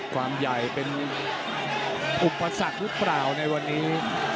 ความใหญ่เป็นอุปสรรคหรือเปล่าในวันนี้